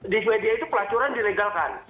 di swedia itu pelacuran diregalkan